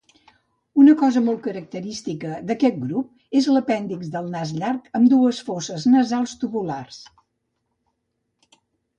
Una cosa molt característica d'aquest grup és l'apèndix del nas llarg amb dues fosses nasals tubulars.